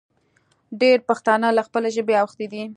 ډېر پښتانه له خپلې ژبې اوښتې دي